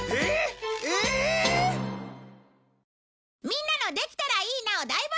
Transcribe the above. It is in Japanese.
みんなの「できたらいいな」を大募集！